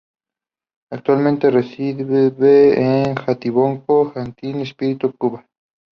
Actualmente reside en Jatibonico, Sancti Spíritus, Cuba.